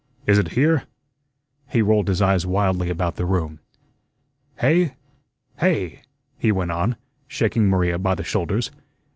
Is it here?" he rolled his eyes wildly about the room. "Hey? hey?" he went on, shaking Maria by the shoulders.